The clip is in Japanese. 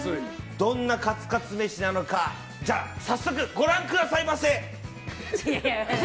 どんなカツカツ飯なのか早速ご覧くださいませ。